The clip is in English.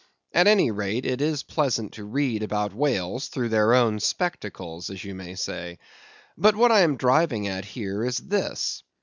At any rate, it is pleasant to read about whales through their own spectacles, as you may say. But what I am driving at here is this.